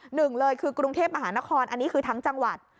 หนึ่งเลยคือกรุงเทพมหานครอันนี้คือทั้งจังหวัด